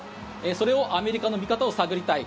それをアメリカの見方を探りたい